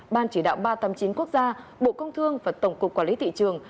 ban chỉ đạo ba trăm tám mươi chín quốc gia bộ công thương và tổng cục quản lý thị trường